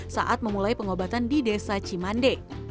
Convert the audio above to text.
saat memulai pengobatan di desa cimande